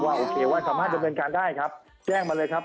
โอเคว่าสามารถดำเนินการได้ครับแจ้งมาเลยครับ